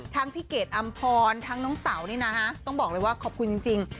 พี่เกดอำพรทั้งน้องเต๋านี่นะฮะต้องบอกเลยว่าขอบคุณจริง